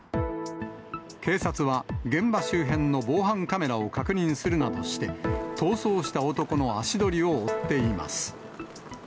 警察は、現場周辺の防犯カメラを確認するなどして、逃走した男の足取りを追っています。